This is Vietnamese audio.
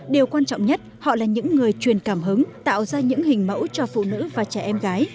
điều quan trọng nhất họ là những người truyền cảm hứng tạo ra những hình mẫu cho phụ nữ và trẻ em gái